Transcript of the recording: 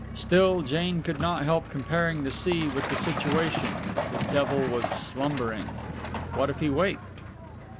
Still Jane could not help comparing the sea with the situation the devil was slumbering. What if he waked?